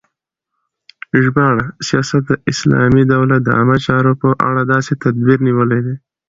ژباړه : سیاست د اسلامی دولت د عامه چارو په اړه داسی تدبیر نیول دی